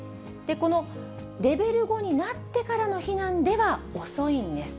このレベル５になってからの避難では遅いんです。